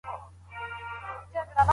جوړي کړې. دا وضعیت په ځانګړي ډول په لویو